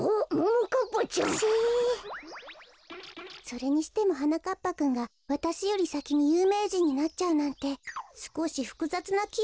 それにしてもはなかっぱくんがわたしよりさきにゆうめいじんになっちゃうなんてすこしふくざつなきぶんよ。